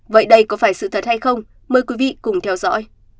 vậy đây có phải sự thật hay không mời quý vị cùng theo dõi